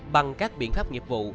bằng các biện pháp nghiệp vụ